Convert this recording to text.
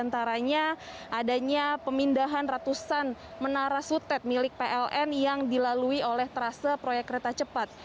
antaranya adanya pemindahan ratusan menara sutet milik pln yang dilalui oleh trase proyek kereta cepat